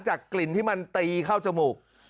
กลิ่นที่มันตีเข้าจมูก